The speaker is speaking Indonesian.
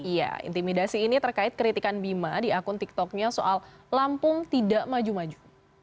iya intimidasi ini terkait kritikan bima di akun tiktoknya soal lampung tidak maju maju